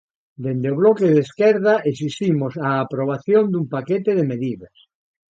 Dende o Bloque de Esquerda esiximos a aprobación dun paquete de medidas.